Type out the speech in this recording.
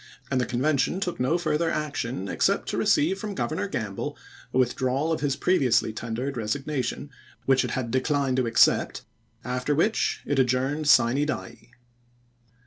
and the Convention took no further action ex cept to receive from Governor Gramble a with drawal of his previously tendered resignation which it had declined to accept, after which it ad jiuy 1,1863 journed sine die.